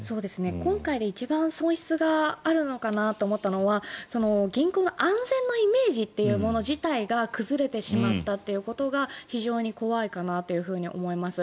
今回で一番損失があるのかなと思ったのは銀行の安全なイメージというもの自体が崩れてしまったということが非常に怖いかなと思います。